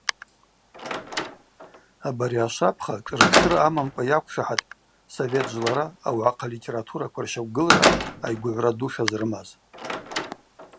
Абари ашвапха шӏырпшыра амамкӏва йаквшахӏатпӏ совет жвлара ауагӏахъа литератураква рщаквгылра айгвыгӏвра ду шазрымаз.